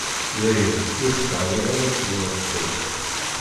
Dayen, ur tettεawadeḍ ad teẓreḍ Tom.